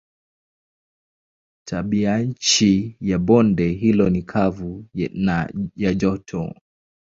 Tabianchi ya bonde hilo ni kavu na ya joto.